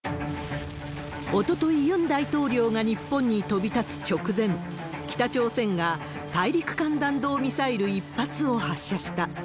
おととい、ユン大統領が日本に飛び立つ直前、北朝鮮が大陸間弾道ミサイル１発を発射した。